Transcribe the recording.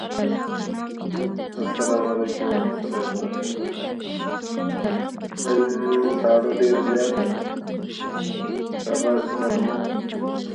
د کورنیو ملاتړ وکړئ.